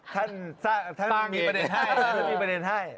ท่านมีประเด็นให้